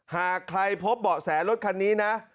หากใครพบเบาะแสรถคันนี้นะ